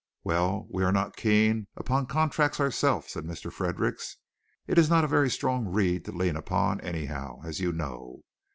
"Well, we are not keen upon contracts ourselves," said Mr. Fredericks. "It's not a very strong reed to lean upon, anyhow, as you know.